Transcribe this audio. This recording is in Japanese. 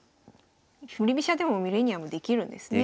振り飛車でもミレニアムできるんですね。